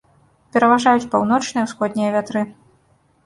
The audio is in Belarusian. Пераважаюць паўночныя і ўсходнія вятры.